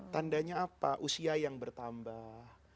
tandanya apa usia yang bertambah